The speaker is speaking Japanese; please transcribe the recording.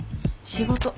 仕事。